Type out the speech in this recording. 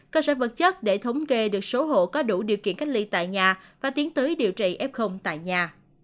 cơ sở vật chất để thống kê được số hộ có đủ điều kiện cách ly tại nhà và tiến tới điều trị f tại nhà